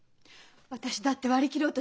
私だって割り切ろうとしたわ。